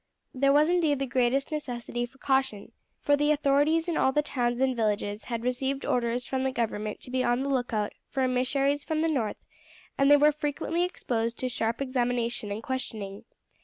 There was indeed the greatest necessity for caution, for the authorities in all the towns and villages had received orders from the government to be on the lookout for emissaries from the north, and they were frequently exposed to sharp examination and questioning.